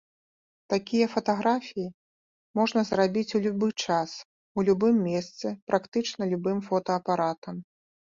Такія фатаграфіі можна зрабіць у любы час, у любым месцы, практычна любым фотаапаратам.